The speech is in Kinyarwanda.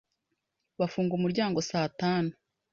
Bafunga umuryango saa tanu.